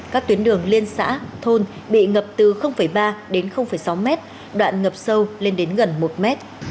các tuyến đường liên xã thôn bị ngập từ ba sáu m đoạn ngập sâu lên đến gần một m